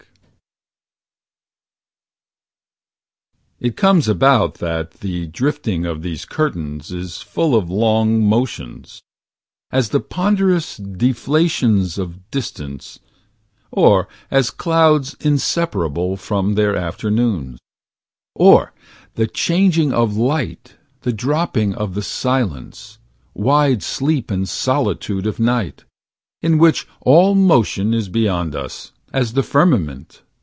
pdf It comes about that the drifting of these curtains Is full of long motions; as the ponderous Deflations of distance; or as clouds Inseparable from their afternoons; Or the changing of light, the dropping Of the silence, wide sleep and solitude Of night, in which all motion 17 Is beyond us, as the firmament.